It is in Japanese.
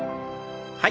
はい。